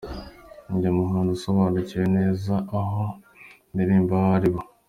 Ninjye muhanzi usobanukiwe neza abo ndirimbira abo aribo.